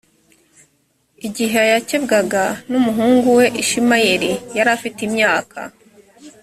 igihe yakebwaga n’umuhungu we ishimayeli yari afite imyaka